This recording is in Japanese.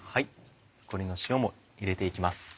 残りの塩も入れて行きます。